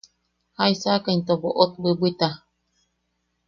¿Jaisaaka into boʼot bwibwita?